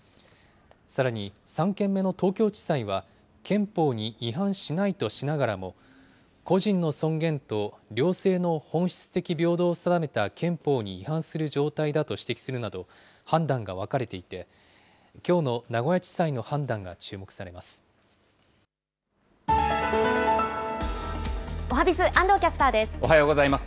さらに３件目の東京地裁は憲法に違反しないとしながらも、個人の尊厳と両性の本質的平等を定めた憲法に違反する状態だと指摘するなど、判断が分かれていて、きょうの名古屋地裁の判断が注目おはＢｉｚ、おはようございます。